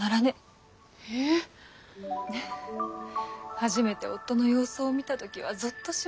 初めて夫の洋装を見た時はゾッとしました。